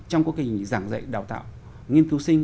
trong các cái giảng dạy đào tạo nghiên cứu sinh